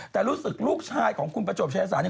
แต่รู้สึกลูกชายของคุณประจวบชายศาสเนี่ย